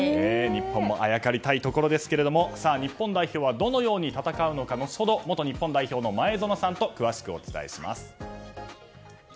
日本もあやかりたいところですが日本代表はどのように戦うのか、後ほど元日本代表の前園さんと詳しくお伝えします。